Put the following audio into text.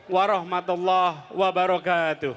wa rahmatullah wa barakatuh